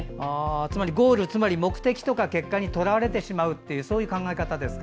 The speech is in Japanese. つまりゴール、目的とか結果にとらわれてしまうという考え方ですか。